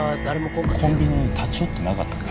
コンビニに立ち寄ってなかったんだ